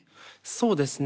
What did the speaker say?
そうですね。